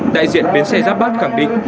đại diện bến xe giáp bát khẳng định